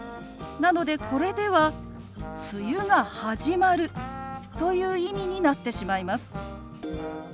なのでこれでは「梅雨が始まる」という意味になってしまいます。